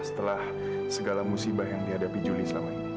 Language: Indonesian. setelah segala musibah yang dihadapi julie selama ini